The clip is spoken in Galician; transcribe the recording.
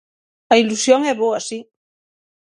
A ilusión é boa, si.